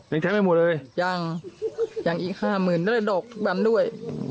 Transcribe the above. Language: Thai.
ยังใช้ไม่หมดเลยยังยังอีกห้าหมื่นด้วยดอกทุกวันด้วย